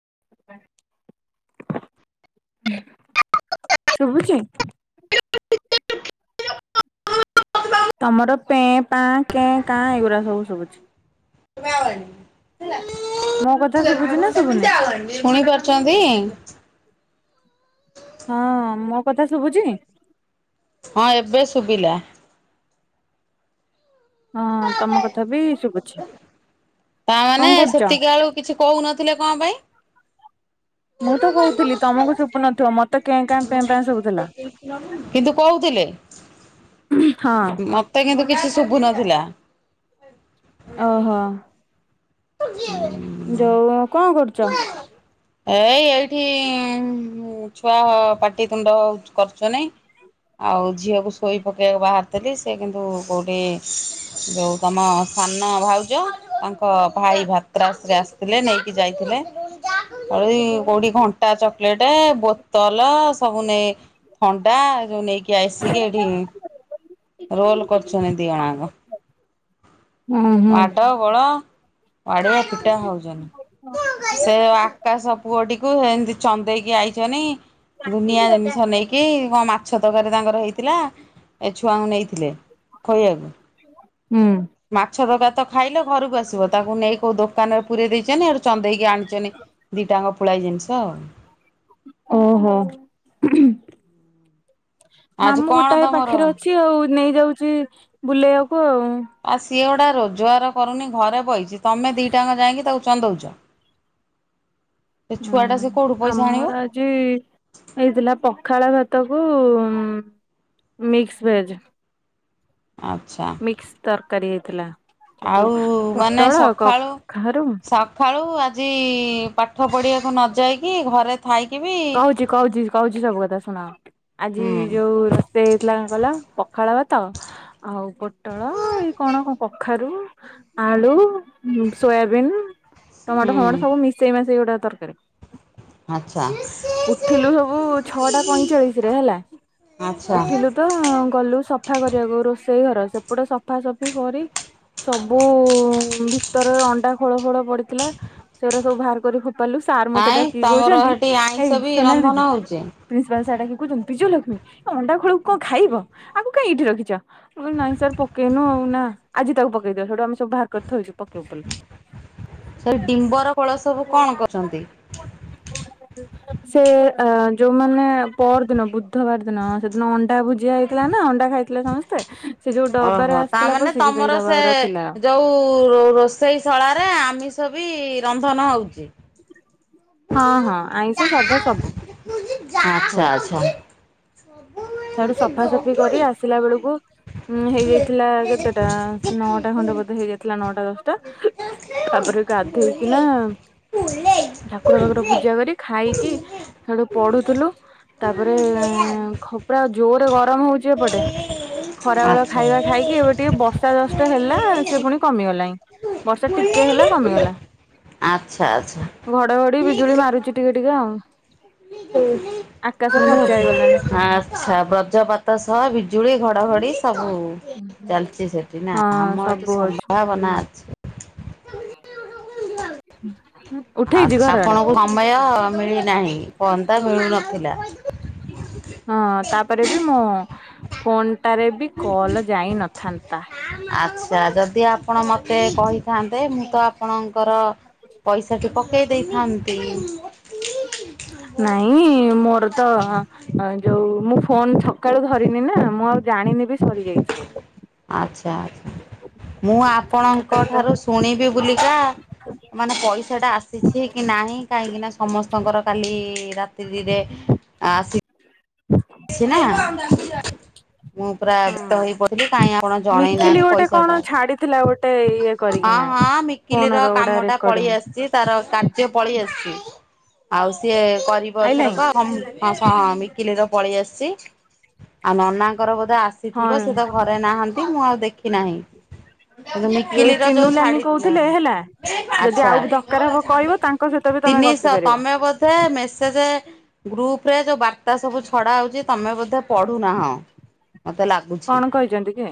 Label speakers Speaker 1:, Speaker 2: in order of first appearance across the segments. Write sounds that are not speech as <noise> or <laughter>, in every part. Speaker 1: ହ ହୁଁ, ଶୁଭୁଛି? ତମର ପେଁ ପାଁ କେଁ କାଁ ଏଇଗୁରା ସବୁ ଶୁଭୁଛି। ମୋ କଥା
Speaker 2: ତେ
Speaker 1: ଶୁଭୁଛି ନା
Speaker 2: ଆବଲା
Speaker 1: ଶୁଭୁନି
Speaker 2: ଶୁଣି ପାରୁଛନ୍ତି?
Speaker 1: ହଁଅ-ଅ ମୋ କଥା ଶୁଭୁଛି?
Speaker 2: ହଁ ଏବେ ଶୁଭିଲା।
Speaker 1: ହଁଅ-ଅ ତମ କଥା ବି ଶୁଗୁଛି।
Speaker 2: ତା ମାନେ ସେତିକି ବେଳୁ କିଛି କହୁ ନଥିଲେ କଣ ପାଇଁ?
Speaker 1: ମୁଁ ତ କହୁଥିଲି ତମକୁ ଶୁଭୁ ନଥିବ ମତେ କେଁ କାଁ ପେଁ ପାଁ ଶୁଭୁଥିଲା।
Speaker 2: <unintelligible>
Speaker 1: ଉହୁଁ
Speaker 2: ମତେ କିନ୍ତୁ କିଛି ଶୁଭୁ ନଥିଲା।
Speaker 1: ଓହୋ। ଯୋଉ କଣ କରୁଛ?
Speaker 2: ଏଇ ଏଇଠି ଇ ଛୁଆ ପାଟିିତୁଣ୍ଡଉ କରୁଛ ନାଇଁ ଆଉ ଝିଅକୁ ଶୋଇ ପକେ ବାହାରିଥିଲି ସେ କିନ୍ତୁ କେଉଁଠି ଯେଉଁ ତମ ସାନ ଭାଉଜ ତାଙ୍କ ହ ଭାଇ ଭାତ୍ରାସ ରେ ଆସିଥିଲେ ନେଇକି ଯାଇଥିଲେ। କୋଉଠି ଘଣ୍ଟା ଚକୋଲେଟ ବୋତଲ ସବୁ ନେଇ ଥଣ୍ଡା ଯୋଉ ନେଇକି ଆଇସିକି ଏଇଠି ରୋଲ କରଚନି ଦି ଅଣ ଆକ।
Speaker 1: ହୁଁ ହୁଁ
Speaker 2: ମାଡ ଗଳ। ପାଡ଼ଆ ପିଟା ହଉଛନ୍ତି। ସେ ଆକାଶ ପୁଅଟିକୁ ସେମତି ଚନ୍ଦେଇକି ଆଇଛନି। ଦୁନିଆ ଜିନିଷ ନେଇକି କଣ ମା ଛତକାରୀ ତାଙ୍କର ହେଇଥିଲା ଏ ଛୁଆଙ୍କୁ ନେଇଥିଲେ ଖୋଇବାକୁ।
Speaker 1: ହ।
Speaker 2: ମାଛତକରି ତ ଖାଇଲ ଘରକୁ ଆସିବ ତାକୁ ନେଇ କୋଉ ଦୋକାନରେ ପୁରୀଇ ଦେଇଛନ୍ତି ହେଠୁ ଚନ୍ଦେଇକି ଆଣିଛନ୍ତି। ଦିଟାଙ୍କ ପୋଳାଇ ଜିନିଷ ଆଉ।
Speaker 1: ଓହୋ।
Speaker 2: ଆଜି
Speaker 1: ମାମୁଁ
Speaker 2: କଣ
Speaker 1: ଗୋଟାଏ
Speaker 2: ତମର?
Speaker 1: ପାଖରେ ଅଛି ଆଉ ନେଇଯାଉଛି ବୁଲେଇବାକୁ ଆଉ।
Speaker 2: ଆ ସିଏ ଗୁଟା ରୋଜଗାର କରୁନି ଘରେ ବହିଛି ତମେ ଦିଟାଙ୍କା ଯାଇକି ତାକୁ ଚନ୍ଦଉଚ।
Speaker 1: ହୁଁ ଆମର ଆଜି ହେଇଥିଲା ପଖାଳ ଭା ତାକୁ ମିକ୍ସ ଭେଜ।
Speaker 2: ଆଚ୍ଛା।
Speaker 1: ମିକ୍ସ ତରକାରୀ ହେଇଥିଲା। ସବୁ
Speaker 2: ଆଉ ମାନେ
Speaker 1: ପୋଟଳ
Speaker 2: ସକାଳୁ
Speaker 1: କଖାରୁ
Speaker 2: ସକାଳୁ ଆଜି ପାଠ ପଢିବାକୁ ନ ଯାଇକି ଘରେ ଥାଇକି ବି
Speaker 1: କହୁଛି କହୁଛି କହୁଛି ସବୁ କଥା ଶୁଣ। ଆଜି
Speaker 2: ହୁଁ
Speaker 1: ଯୋଉ ରୋଷେଇ ହେଇଥିଲା କଣ କିଲ ପଖାଳ ଭାତ ତ ଆଉ ପୋଟଳ, ଏଇ କଣ କଣ କଖାରୁ, ଆଳୁ ସୋ ସୋୟାବିନ,
Speaker 2: ହୁଁ
Speaker 1: ଟମାଟୋ ଫମାଟୋ ସବୁ ମିଶେଇ ମାସେଇ ଗୋଟେ ତରକାରୀ।
Speaker 2: ଆଚ୍ଛା।
Speaker 1: ଉଠିଲୁ ସବୁ ଛଅଟା ପଇଁଚାଳିଶ ରେ ହେଲା।
Speaker 2: ଆଚ୍ଛା।
Speaker 1: ଉଠିଲୁ ତ ଗଲୁ ସଫା କରିବାକୁ ରୋଷେଇ ଘର ସେପଟା ସଫାସଫି କରି ସବୁ ଭିତରେ ଅଣ୍ଡା ଖୋଳ ଫୋଳ ପଡିଥିଲା ସେଟା ସବୁ ବାହାର କରି କିଲୁ ସାର୍ ମତେ
Speaker 2: କାଇଁ
Speaker 1: ଡାକିକି
Speaker 2: ତମର
Speaker 1: କହୁଛନ୍ତି
Speaker 2: ହେଠି ଆଇଁଷ
Speaker 1: ଏଇ
Speaker 2: ବି
Speaker 1: ସୋନାଲ
Speaker 2: ରନ୍ଧନ
Speaker 1: ଦିଦି
Speaker 2: ହଉଛି।
Speaker 1: ପ୍ରିନ୍ସିପାଲ ସାର୍ ଡାକିକି କହୁ ବିଜୟଲକ୍ଷ୍ମୀ ଅଣ୍ଡା ଖୋଳକୁ କଣ ଖାଇବ ଆଗ କାଇଁ ଏଇଠି ରଖିଛ ନାଇଁ ସାର୍ ପକେଇନୁ ଆଉ। ନା ଆଜି ତାକୁ ପକେଇଦିବା ସେଇଟୁ ଆମେ ସବୁ ବାହାର କରି ଥୋଇଛୁ ପକେଇବୁ ବୋଲି।
Speaker 2: ସେ ଡିମ୍ବର ଫଳ ସବୁ କଣ କରୁଛନ୍ତି?
Speaker 1: ସେ ଅ ଯୋଉମାନେ ପର ଦିନ ବୁଧବାର ଦିନ ସେଦିନ ଅଣ୍ଡା ଭୁଜିଆ ହେଇଥିଲା ନା। ଥଣ୍ଡା ଖାଇଥିଲେ ସମସ୍ତେ। ସେ ଯୋଉ ଡବାରେ
Speaker 2: ଓହୋ
Speaker 1: ଆସିଥିଲା
Speaker 2: ତାମାନେ
Speaker 1: ପଶିକି ସେଇ
Speaker 2: ତମର
Speaker 1: ଡବା
Speaker 2: ସେ
Speaker 1: ଗୁରା ଥିଲା।
Speaker 2: ଯୋଉ ରୋଷେଇ ଶଳାରେ ଆମ ଛ ବି ରନ୍ଧନ ହେଉଛି।
Speaker 1: ହଁ ହଁ ଆଇଁଷ ସାଧା ସବୁ
Speaker 2: ଆଚ୍ଛା।
Speaker 1: ହୁଏ। ସେଠୁ ସଫାସଫି କରି ଆସିଲା ବେଳକୁ ଉଁ ହେଇଯାଇଥିଲା କେତେଟା ନଅଟା ଖଣ୍ଡେ ବୋଧେ ହେଇଯାଇଥିଲା ନଅଟା ଦଶଟା। ତାପରେ ଗାଧେଇକି ନା ଠାକୁର ଭାକୁର ପୂଜା କରି ଖାଇକି ସେଠୁ ପଢୁଥିଲୁ। ତାପରେ ଖପୁରା ଜୋରେ ଗରମ ହଉଛି ଏପଟେ। ଖରା ବେଳ ଖାଇବା ଖାଇକି ଏବେ ଟିକେ ବର୍ଷା ଜଷ୍ଟ ହେଲା ସେ ପୁଣି କମିଗଲାଣି। ବର୍ଷା ଟିକେ ହେଲା କମିଗଲା।
Speaker 2: ଆଚ୍ଛା
Speaker 1: ଘଡଘଡି ବିଜୁଳି ମାରୁଛି ଟିକେ ଟିକେ ଆଉ ଆକାଶ
Speaker 2: <unintelligible>
Speaker 1: ଫର୍ଚା ହେଇଗଲାଣି
Speaker 2: ଆଛା ବ୍ରଜପାତ ସହ ବିଜୁଳି ଘଡଘଡି ସବୁ ଚାଲିଛି ସେଠି ନା
Speaker 1: ହଁ
Speaker 2: ଆମ ଏଠି ସମ୍ଭାବନା ଅଛି।
Speaker 1: ହ।
Speaker 2: ଆଛା ଆପଣଙ୍କୁ ସମୟ ମିଳୁ ନହିଁ। ଫୋନ ତ ମିଳୁନଥିଲା।
Speaker 1: ହଁ ତାପରେ ବି ମୁଁ ଫୋନ୍ ଟାରେ ବି କଲ ଯାଇ ନଥାନ୍ତା।
Speaker 2: ଆଚ୍ଛା ଯଦି ଆପଣ ମତେ କହିଥାନ୍ତେ, ମୁଁ ତ ଆପଣଙ୍କର ପଇସାଟି ପକା କହି ଦେଇ ଥାନ୍ତି।
Speaker 1: ନାଇଁ ମୋର ତ ଯୋଉ ମୁଁ ଫୋନ ସକାଳୁ ଧରିନି ନା ମୁଁ ଆଉ ଜାଣିନି ସରିଯାଇଛି ବୋଲି।
Speaker 2: ଆଚ୍ଛା ଆଚ୍ଛା ମୁଁ ଆପଣଙ୍କ
Speaker 1: ସେତେବେଳେ ତ
Speaker 2: ଠାରୁ ଶୁଣିବି ବୁଲିକା ମାନେ ପଇସା ଟା ଆସିଛି କି ନାହିଁ, କାହିଁକି ନା ସମସ୍ତଙ୍କର କାଲି ରାତ୍ରୀରେ ଆସି ଅଛି ନା। ମୁଁ ପୁରା ବ୍ୟତ
Speaker 1: ହୁଁ।
Speaker 2: ହେଇ ପଥିଲି କାଇହିଁ ଆପଣ ଜଣେଇ
Speaker 1: ମିକିଲି
Speaker 2: ନାହାନ୍ତି
Speaker 1: ଗୋଟେ
Speaker 2: ପଇସା
Speaker 1: କଣ
Speaker 2: ଟା
Speaker 1: ଛାଡିଥିଲା ଗୋଟେ ଇଏ
Speaker 2: ହଁ
Speaker 1: କରିକିନା
Speaker 2: ହଁ ମିକିଲି
Speaker 1: ଫୋନ
Speaker 2: ର କାମ
Speaker 1: ଗୋଟା
Speaker 2: ଟା ପଳେଇ
Speaker 1: ରେକର୍ଡିଂ
Speaker 2: ଆସିଛି, ତାର କାର୍ଯ୍ୟ ପଳେଇ ଆସିଛି ଆଉ ସିଏ କରିବ ଥର
Speaker 1: ଆଇଲାଇଁ
Speaker 2: କଉ ମିକିଲିର ପଳେଇ ଆସିଛି ଆଉ ନନାଙ୍କର ବୋ ଆସିଥିବ
Speaker 1: ହଁ
Speaker 2: ସେ ତ ଘରେ ନାହାନ୍ତି, ମୁଁ ଆଉ ଦେଖି ନାହିଁ। ମିକିଲିର ଯୋଉ
Speaker 1: ଚିନୁ ଲାନି
Speaker 2: ଛାଡି ଥିଲା
Speaker 1: କହୁଥିଲେ ହେଲା ଯଦି
Speaker 2: ଆଛା,
Speaker 1: ଆଉ ବି ଦରକାର ହବ କହିବ ତାଙ୍କ ସହିତ ବି ତମେ ଗପି
Speaker 2: ତିନିଶହ
Speaker 1: ପାରିବ
Speaker 2: ତମେ ବଧେ ସେ ଯେ ଗ୍ରୁପ ରେ ଯୋଉ ବାର୍ତ୍ତା ସବୁ ଛଡା ହଉଛି, ତମେ ବୋଧେ ପଢୁନାହ ମତେ ଲାଗୁଛି
Speaker 1: କଣ କହିଛନ୍ତି କି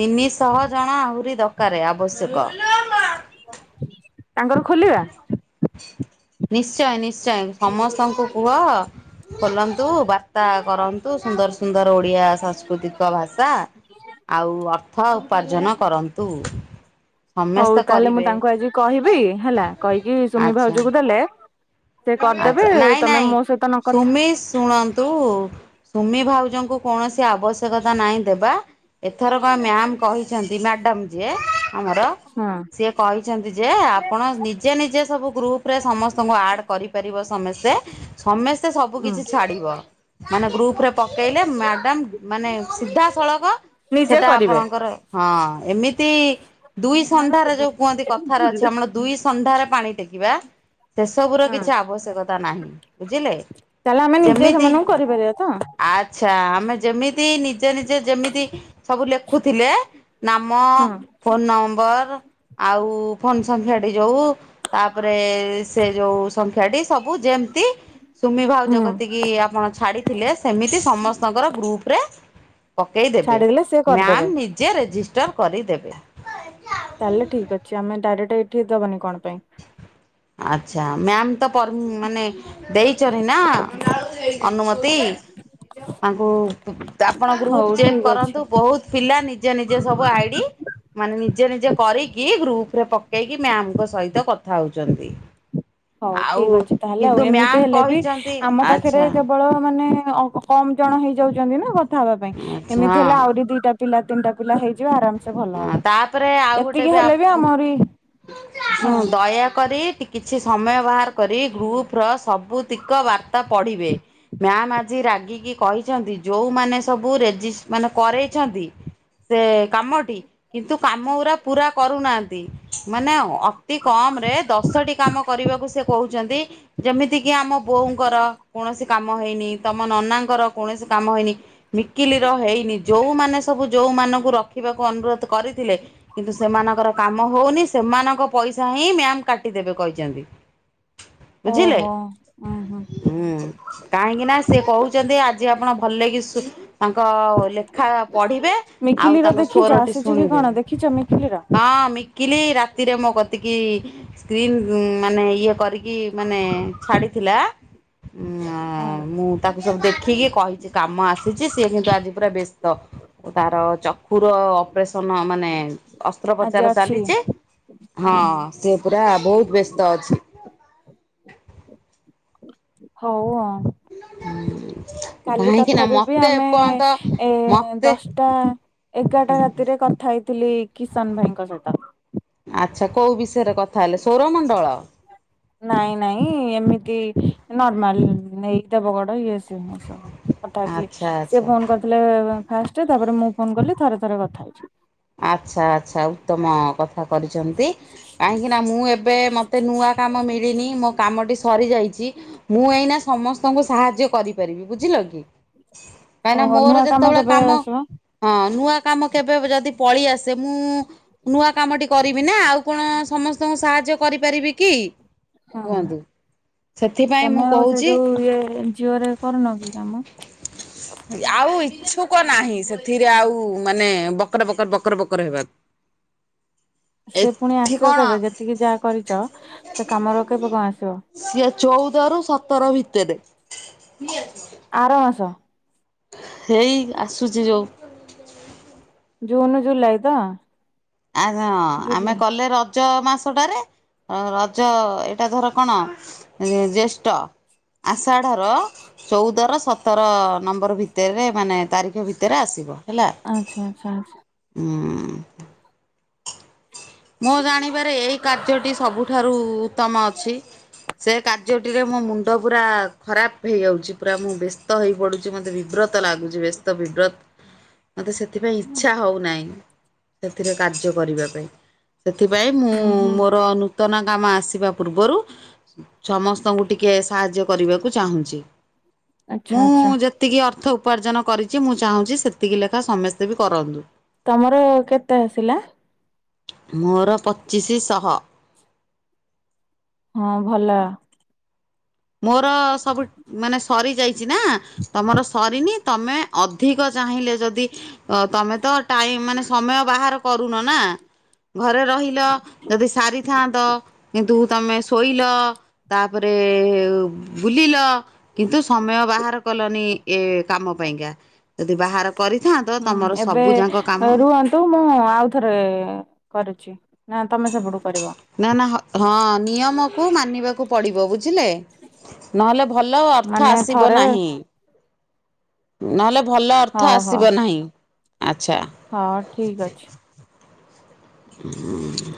Speaker 2: ତିନିଶ ଶହ ଜଣ ଆହୁରି ଦକ ଆବଶ୍ୟକ।
Speaker 1: ତାଙ୍କର ଖୋଲିବା?
Speaker 2: ନିଶ୍ଚୟ ନିଶ୍ଚୟ ସମସ୍ତଙ୍କୁ କୁହ ଖୋଲନ୍ତୁ ତା କରନ୍ତୁ ସୁନ୍ଦର ସୁନ୍ଦର ଓଡିଆ ସାଂସ୍କୃତିକ ଭାଷା ଆଉ ଅର୍ଥ ଉପାର୍ଜନ କରନ୍ତୁ।
Speaker 1: ହଉ
Speaker 2: ସମସ୍ତେ
Speaker 1: ତାହେଲେ ମୁଁ
Speaker 2: କରିବେ
Speaker 1: ତାଙ୍କୁ ଆଜି କହିବି, ହେଲା କହିକି ସୁମି ଭାଉଜକୁ ଦେଲେ ସେ
Speaker 2: ଆଛା
Speaker 1: କରିଦେବେ
Speaker 2: ନାଇଁ
Speaker 1: ତମେ
Speaker 2: ନାଇଁ
Speaker 1: ମୋ ସହିତ ନ କଥା
Speaker 2: ସୁମି ଶୁଣନ୍ତୁ, ସୁମି ଭାଉଜଙ୍କୁ କୌଣସି ଆବଶ୍ୟକତା ନାହିଁ ଦେବା ଏଥର ମ୍ୟାମ କହିଛନ୍ତି, ମ୍ୟାଡ଼ାମ ଯେ ଆମର
Speaker 1: ହଁ
Speaker 2: ସିଏ କହିଛନ୍ତି, ଯେ ଆପଣ ନିଜେ ନିଜେ ସବୁ ଗ୍ରୁପ ରେ ସମସ୍ତଙ୍କୁ ଆଡ କରିପାରିବ ସମସ୍ତେ ସମସ୍ତେ ସବୁ
Speaker 1: ହୁଁ
Speaker 2: କିଛି ଛାଡିବ ମାନେ ଗ୍ରୁପ ରେ ପକେଇଲେ ମ୍ୟାଡାମ ମାନେ ସିଧାସଳଖ
Speaker 1: ନିଜେ
Speaker 2: ସେଟା
Speaker 1: କରିବେ
Speaker 2: ଆପଣଙ୍କର ହଁ ଏମିତି ଦୁଇ ସନ୍ଧ୍ୟାରେ ଯୋଉ କୁହନ୍ତି, କଥାର
Speaker 1: ହୁଁ
Speaker 2: ଅଛି ଆମର ଦୁଇ ସନ୍ଧ୍ୟାରେ ପାଣି ଟେକିବା ସେସବ କି ଆବ୍ୟକତା ନାହିଁ ବୁଝିଲେ,
Speaker 1: ତାହେଲେ ଆମେ ନିଜେ
Speaker 2: ଯେମିତି
Speaker 1: ସେମାନଙ୍କୁ କରିପାରିବା ତ
Speaker 2: ଆଛା, ଆମେ ଯେମିତି ନିଜେ ନିଜେ ଯେମିତି ସବୁ ଲେଖୁଥିଲେ ଆମ
Speaker 1: ହଁ
Speaker 2: ଫୋନ ନମ୍ବର ଆ ଯ ତାପରେ ସେ ଯୋଉ ଡ଼ି, ସବୁ ଯେମିତି ସୁମି ଭାଉଜ
Speaker 1: ହୁଁ
Speaker 2: କତିକି ଆପଣ ଛାଡିଥିଲେ, ସେମିତି ସମସ୍ତଙ୍କର ଗ୍ରୁପ ରେ ପକାଇଦେବେ
Speaker 1: ଛାଡିଦେଲେ ସିଏ କରିଦେବେ
Speaker 2: ମ୍ୟାମ୍ ନିଜେ ରେଜିଷ୍ଟର୍ କରିଦେବେ।
Speaker 1: ତାହେଲେ ଠିକ୍ ଅଛି, ଆମେ ଡାଇରେକ୍ଟ ଏଇଠି ଦବାନି କଣ ପାଇଁ।
Speaker 2: ଆଛା ମ୍ୟମ୍ ମାନେ ଦେଇଛନ ନା ଅନୁମତି ତାଙ୍କୁ ଆପଣ
Speaker 1: ହଉ
Speaker 2: ଗ୍ରୁପ ଚେକ୍
Speaker 1: ଠିକ ଅଛି
Speaker 2: କରନ୍ତୁ, ବହୁତ ପିଲା ନିଜ ନିଜ ସବୁ ଆଇଡି ମାନେ ନିଜେ ନିଜେ କରିକି ଗ୍ରୁପ ରେ ପକେଇକି ମ୍ୟାମଙ୍କ ସହିତ କଥା ହଉଚନ୍ତି।
Speaker 1: ହଉ ଠିକ ଅଛି ତାହେଲେ ଆଉ ଏମିତି ହେଲେ ବି
Speaker 2: କହିଛନ୍ତି
Speaker 1: ଆମ ପାଖେରେ
Speaker 2: ଆଚ୍ଛା
Speaker 1: କେବଳ ମାନେ ଅକମ୍ ଜଣ ହେଇଯାଉଚନ୍ତି ନା କଥା ହେବା ପାଇଁ
Speaker 2: ଆଚ୍ଛା
Speaker 1: ଏମିତି ହେଲେ ଆହୁରି ଦିଟା ପିଲା ତିନିଟା ପିଲା ହେଇ
Speaker 2: ହଁ ତାପରେ ଆଉ ଗୋଟେ ବି
Speaker 1: ହେଲେ
Speaker 2: ଆପୁ
Speaker 1: ଆମରି
Speaker 2: ହଁ ଦୟାକରି କିଛି ସମୟ ବାହାର କରି ଗ୍ରୁପ ର ସବୁତିକ ବାର୍ତ୍ତା ପଢିବେ ମ୍ୟାାମ ଆଜି ରାଗିକି କହିଛନ୍ତି ଯୋଉମାନେ ସବୁ ରେଜିଶ୍ ମାନେ କରେଇଛନ୍ତି। ଦି ସେ କାମଟ କିନ୍ତୁ କାମ ଉରା ପୁର କରୁନାହାନ୍ତି ମାନେ ଅତି କମ୍ ରେ ଦଶଟି କା କାମ କରିବାକୁ ସେ କହୁଚନ୍ତି ଯେମିତି କି ଆମ ବୋଉଙ୍କର କୌଣସି କାମ ହେଇନି ତମ ନ ନନା ଙ୍କର କୌଣସି କାମ ହେଇନି ମିକିଲି ର ହେଇନି ଯୋଉମାନେ ସବୁ ଯୋଉ ମାନଙ୍କୁ ରଖିବା ଅନୁରୋଧ କରିଥିଲେ କିନ୍ତୁ ସେମାନଙ୍କର କାମ ହଉନି ସେମାନଙ୍କ ପଇସା ହିଁ ମ୍ୟାାମ୍ କାଟିଦେବେ କହିଚନ୍ତି। ବୁଝିଲେ
Speaker 1: ଓହୋ।
Speaker 2: ହୁଁ କାହିଁକି ନା ସେ କହୁଚନ୍ତି ଆଜ ଆ ଆପଣ ଭଲେକି ସୁ ତାଙ୍କ ଲେଖା ପଢିବେ ଆଉ
Speaker 1: ମିକିଲିର
Speaker 2: ତାଙ୍କସୁ
Speaker 1: ଦେଖିଛ
Speaker 2: ଫୋରଟି
Speaker 1: ଆସିଛି କି
Speaker 2: ଶୁଣିବେ
Speaker 1: କଣ ଦେଖିଛ ମିକିଲିର?
Speaker 2: ହଁମି ମିକିଲି ରାତିରେ ମୋ କତିକି ସ୍କ୍ରିନ୍ ମାନେ ଇଏ କରିକି ମାନେ ଛାଡି
Speaker 1: ହଁ
Speaker 2: ମୁଁ ତାକୁ ସବୁ ଦେଖ ଦେଖିକି କହିଛି କାମ ଆସିଛି ସିଏ କିନ୍ତୁ ଆଜି ପୁରା ବ୍ୟସ୍ତ ତାର ପୁର ଅପରେସନ ମାନେ
Speaker 1: ଆଜି
Speaker 2: ଅସ୍ତ୍ରୋପଚାର
Speaker 1: ଅଛି
Speaker 2: ଚାଲିଛ ହଁ
Speaker 1: ଅହୋ
Speaker 2: ସେ ଯା ବହୁତ ବ୍ୟସ୍ତ ଅଛି।
Speaker 1: ହଉ ଆଉ। କାଲି
Speaker 2: କାହିଁକି ନା
Speaker 1: ତଥାପି ବି
Speaker 2: ମତେ
Speaker 1: ଆମେ
Speaker 2: ଏପର୍ଯ୍ୟନ୍ତ
Speaker 1: ଏ
Speaker 2: ମତେ
Speaker 1: ଦଶଟା ଏଗାରଟା ରାତିରେ କଥା ହେଇଥିଲି କିଶନ ଭାଇଙ୍କ ସହିତ।
Speaker 2: ଆଚ୍ଛା କୋଉ ବିଷୟରେ କଥା ହେଲେ ସୌରମଣ୍ଡଳ?
Speaker 1: ନାଇଁ ନାଇଁ ଏମିତି ନର୍ମାଲ ନେଇଦବ ଗଡ ଇଏ ସ ହ ସବୁ। କଥା ହେଇଥିଲି
Speaker 2: ଆଚ୍ଛା
Speaker 1: ସେ
Speaker 2: ଆଚ୍ଛା।
Speaker 1: ଫୋନ କରିଥିଲେ ଫାଷ୍ଟ ତାପରେ ମୁଁ ଫୋନ କଲି ଥରେ ଥରେ କଥା ହେଇଛି।
Speaker 2: ଆଚ୍ଛା ଆଚ୍ଛା ଉତ୍ତମ କଥା କରିଛନ୍ତି କାହିଁକି ନା ମୁଁ ଏବେ ମତେ ନୂଆ କାମ ମିଳିନି ମୋ କାମ ଟି ସରିଯାଇଛି ମୁଁ ଏଇନା ସମସ୍ତଙ୍କୁ ସାହାଯ୍ୟ କରିପାରିବି ବୁଝିଲ କି? କାହିଁକି ନା
Speaker 1: ଓହୋ
Speaker 2: ମୋର
Speaker 1: ନୂଆ
Speaker 2: ଯେତେବେଳେ
Speaker 1: କେବେ
Speaker 2: କାମ
Speaker 1: ଆସିବ
Speaker 2: ହଁ ନୂଆ କାମ କେବେ ଯଦି ପଳେଇଆସେ ମୁଁ ନୂଆ କାମଟି କରିବି ନା ଆଉ କଣ ସମସ୍ତଙ୍କୁ ସାହାଯ୍ୟ କରିପାରିବି କି?
Speaker 1: ହଁ।
Speaker 2: କୁହନ୍ତୁ ସେଥିପାଇଁ ମୁଁ
Speaker 1: ତମେ ଆଉ ସେ
Speaker 2: କହୁଛି
Speaker 1: ଯୋଉ ଇଏ ଏନଜିଓରେ କରୁନ କି କାମ?
Speaker 2: ଆଉ ଇଛୁକ ନାହିଁ ସେଥିରେ ଆଉ ମାନେ ବକର ବକର ବକର ବକର ହେବାକୁ।
Speaker 1: ସେ ପୁଣି
Speaker 2: ଏଠି
Speaker 1: ଆସିବ କେବେ
Speaker 2: କଣ
Speaker 1: ଯେତିକି ଯାହା କରିଛ ସେ କାମର କେବେ କଣ ଆସିବ?
Speaker 2: ସାତେ ରୁ ସତର ଭିତରେ।
Speaker 1: ଆର ମାସ।
Speaker 2: ଏଇ ଆସୁଛି ଯୋଉ।
Speaker 1: ଜୁନ ଜୁଲାଇ ତ?
Speaker 2: ଆ ହ ଆମେ
Speaker 1: ଜୁଲାଇ
Speaker 2: କଲେ ର ରଜ ମାସଟାରେ ରଜ ଏଇଟା ଧର କଣ ଜେଷ୍ଠ। ଆଷାଢ ର ଚଉଦର ସତର ନମ୍ବର ଭିତରେ ମାନେ ତାରିଖ ଭିତରେ ଆସିବ ହେଲା।
Speaker 1: ଆଚ୍ଛା ଆଚ୍ଛା ଆଚ୍ଛା
Speaker 2: ମୁଁ ଜାଣିବାରେ ଏଇ କାର୍ଯ୍ୟଟି ସବୁଠାରୁ ଉତ୍ତମ ଅଛି। ସେ କାର୍ଯ୍ୟଟିରେ ମୋ ମୁଣ୍ଡ ପୁରା ଖରାପ ହେଇଯାଉଛି ପୁରା ମୁଁ ବ୍ୟସ୍ତ ହେଇ ପଡୁଛି ମତେ ବିବ୍ରତ ଲାଗୁଛି ବ୍ୟସ୍ତ ବିବ୍ରତ।
Speaker 1: ଁ
Speaker 2: ମୋତେ ସେଥିପାଇଁ ଇଚ୍ଛା ହଉନାହିଁ ସେଥିରେ କାର୍ଯ୍ୟ କରିବା ପାଇଁ। ସେଥିପାଇଁ ମୁଁ
Speaker 1: ହୁଁ ହୁଁ
Speaker 2: ମୋର ନୂତନ କାମ ଆସିବା ପୂର୍ବରୁ ସମସ୍ତଙ୍କୁ ଟିକେ ସାହାଯ୍ୟ କରିବାକୁ ଚାହୁଁଛି।
Speaker 1: ଆଚ୍ଛା
Speaker 2: ମୁଁ
Speaker 1: ଆଚ୍ଛା
Speaker 2: ଯେତିକି ଅର୍ଥ ଉ ଉପାର୍ଜନ କରିଛି ମୁଁ ଚାହୁଁଛି ସେତିକି ଲେଖା ସମସ୍ତେ ବି କରନ୍ତୁ।
Speaker 1: ତମର କେତେ ଆସିଲା?
Speaker 2: ମୋର ପଚିଶି ଶହ।
Speaker 1: ହଁ ଭଲ।
Speaker 2: ମୋର ସବୁ ମାନେ ସରି ଯାଇଛି ନା ତମର ସରିନି ତମେ ଅଧିକ ଚାହିଁଲେ ଯଦି ତମେ ତ ଟାଇମ ମାନେ ସମୟ ବାହାର କରୁନ ନା। ଘରେ ରହିଲ ଯଦି ସାରିଥାନ୍ତ, କିନ୍ତୁ ତମେ ଶୋଇଲ ତାପରେ ହୁଁ- ହୁଁ। ଉଁ ବୁଲିଲ କିନ୍ତୁ ସମୟ ବାହାର କଲନି ଏ କାମ ପାଇଁକା। ଯଦି ବାହାର କରିଥାନ୍ତ
Speaker 1: ହୁଁ
Speaker 2: ତମର
Speaker 1: ଏବେ
Speaker 2: ସବୁ ଯାକ କାମ
Speaker 1: ରୁହନ୍ତୁ ମୁଁ ଆଉଥରେ କରୁଛି ନା ତମେ ସେପଟୁ କରିବ?
Speaker 2: ନା ନା ହଁ ନିୟମକୁ ମାନିବାକୁ ପଡ଼ିବ ବୁଝିଲେ। ନହେଲେ ଭଲ ଅର୍ଥ
Speaker 1: ମାନେ
Speaker 2: ଆସିବ
Speaker 1: ଥରେ
Speaker 2: ନାହିଁ। ନହେଲେ ଭଲ ଅର୍ଥ ଆସିବ ନାହିଁ। ଆଚ୍ଛା
Speaker 1: ହଁ ଠିକ ଅଛି।
Speaker 2: ଉଁ।